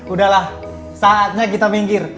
udah lah saatnya kita minggir